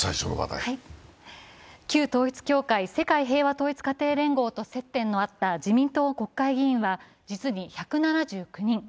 旧統一教会、世界平和統一家庭連合と接点のあった自民党国会議員は、実に１７９人。